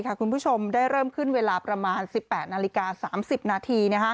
คุณผู้ชมได้เริ่มขึ้นเวลาประมาณ๑๘นาฬิกา๓๐นาที